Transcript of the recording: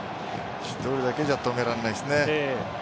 １人だけじゃ止められないですね。